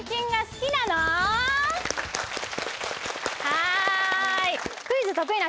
はい！